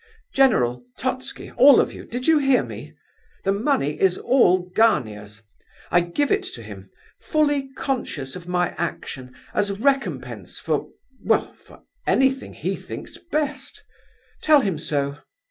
General, Totski, all of you, did you hear me? The money is all Gania's. I give it to him, fully conscious of my action, as recompense for—well, for anything he thinks best. Tell him so.